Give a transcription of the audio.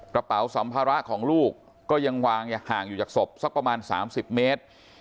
กระเป๋าสัมภาระของลูกก็ยังวางห่างอยู่จากศพสักประมาณ๓๐เมตร